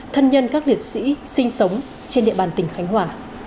thân nhân các liệt sĩ sinh sống trên địa bàn tỉnh khánh hòa